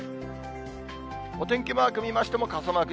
お天気マーク見ましても、傘マーク。